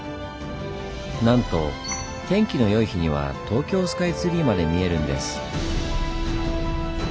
なんと天気の良い日には東京スカイツリーまで見えるんです。